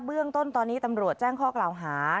เบื้องต้นตอนนี้ตำรวจแจ้งข้อกล่าวหา